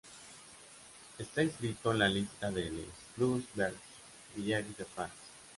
Está inscrito en la lista de Les plus beaux villages de France.